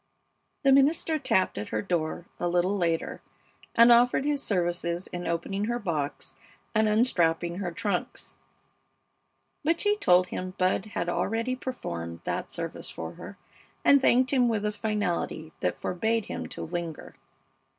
The minister tapped at her door a little later and offered his services in opening her box and unstrapping her trunks; but she told him Bud had already performed that service for her, and thanked him with a finality that forbade him to linger.